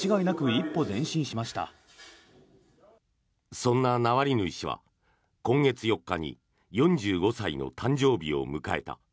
そんなナワリヌイ氏は今月４日に４５歳の誕生日を迎えた。